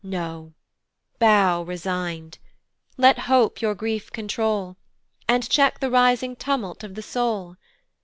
No bow resign'd. Let hope your grief control, And check the rising tumult of the soul.